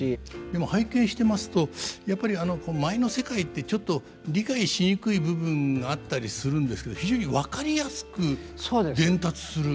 でも拝見してますとやっぱり舞の世界ってちょっと理解しにくい部分があったりするんですけど非常に分かりやすく伝達する。